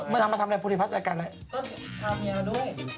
มาทำอะไรพุธิพัฒน์รายการอะไร